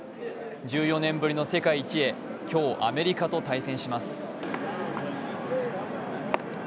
１４年ぶりの世界一へ、今日、アメリカと対戦します。